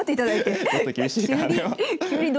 ちょっと厳しいかなでも。